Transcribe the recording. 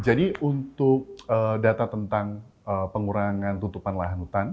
jadi untuk data tentang pengurangan tutupan lahan hutan